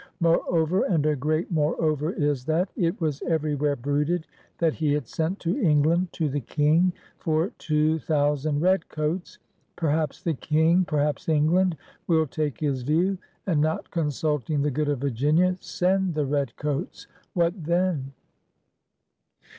Moreover — and a great moreover is that! — it was everywhere bruited that he had sent to Eng la 178 PIONEERS OF THE OLD SOUTH land, to the King, ^'for two thousand Red Coates/' Perhaps the King — perhaps England — will take his view, and, not consulting the good of Virginia, send the Red Coats! What then?